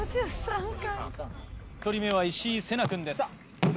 １人目は石井彗那君です。